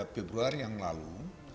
tiga februari yang lalu